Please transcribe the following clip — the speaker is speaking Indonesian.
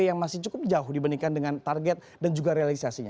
yang masih cukup jauh dibandingkan dengan target dan juga realisasinya